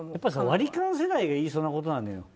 割り勘世代が言いそうなことなんだよ。